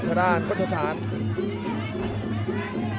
พยายามมาพยายามจะผ่ากเขาไว้ครับ